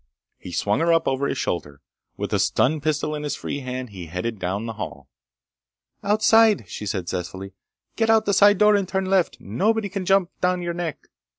He swung her up and over his shoulder. With a stun pistol in his free hand he headed down the hall. "Outside," she said zestfully. "Get out the side door and turn left, and nobody can jump down on your neck.